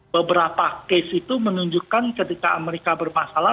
beberapa case itu menunjukkan ketika amerika bermasalah